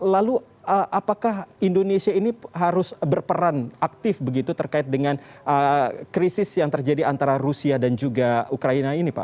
lalu apakah indonesia ini harus berperan aktif begitu terkait dengan krisis yang terjadi antara rusia dan juga ukraina ini pak